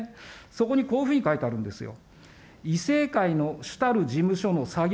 そこにこういうふうに書いてあるんですよ。